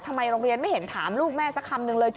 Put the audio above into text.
ทำไมโรงเรียนไม่เห็นถามลูกแม่สักคำนึงเลย